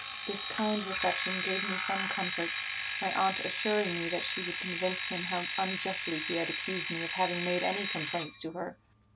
This kind reception gave me some comfort, my aunt assuring me that she would convince him how unjustly he had accused me of having made any complaints to her.